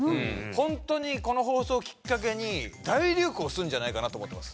ホントにこの放送をきっかけに大流行するんじゃないかなと思ってます